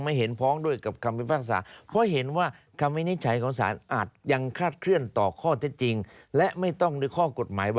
ไม่ได้เข้ารักษณะวิภาควิจารณ์ละเมิดวิภาคไม่เกี่ยว